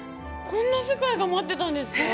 こんな世界が待っていたんですか。